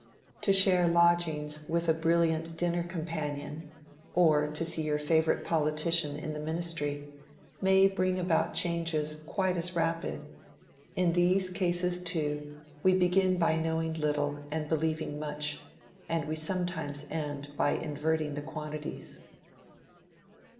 To share lodgings with a brilliant dinner companion, or to see your favorite politician in the Ministry, may bring about changes quite as rapid: in these cases too we begin by knowing little and believing much, and we sometimes end by inverting the quantities.